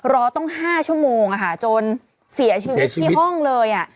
รอตั้ง๕ชั่วโมงจนเสียชีวิตที่ห้องเลย